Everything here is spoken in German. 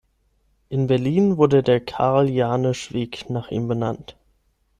In Berlin wurde der "Karl-Janisch-Weg" nach ihm benannt.